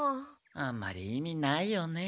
あんまり意味ないよね。